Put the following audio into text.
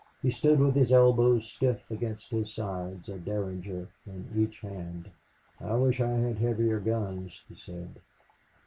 He stood with his elbows stiff against his sides, a derringer in each hand. "I wish I had heavier guns," he said.